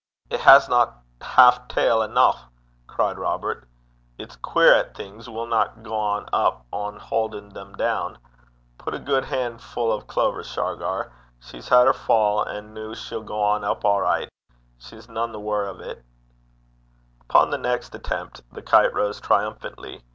'It hasna half tail eneuch,' cried Robert. 'It's queer 'at things winna gang up ohn hauden them doon. Pu' a guid han'fu' o' clover, Shargar. She's had her fa', an' noo she'll gang up a' richt. She's nane the waur o' 't.' Upon the next attempt, the kite rose triumphantly.